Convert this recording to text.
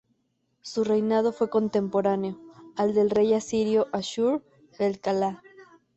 Su reinado fue contemporáneo al del rey asirio Ashur-bel-kala.